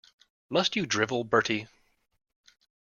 Must you drivel, Bertie?